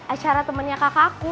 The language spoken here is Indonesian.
acara temennya kakakku